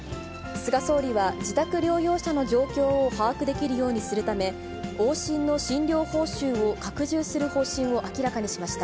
菅総理は、自宅療養者の状況を把握できるようにするため、往診の診療報酬を拡充する方針を明らかにしました。